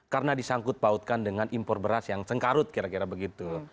karena disangkut pautkan dengan impor beras yang sengkarut kira kira begitu